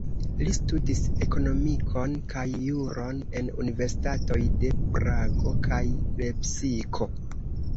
Li studis ekonomikon kaj juron en universitatoj de Prago kaj Lepsiko.